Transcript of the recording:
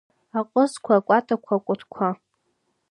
Аҟызқәа, акәатақәа, акәытқәа…